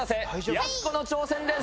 やす子の挑戦です。